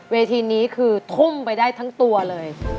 เวทีนี้คือทุ่มไปได้ทั้งตัวเลย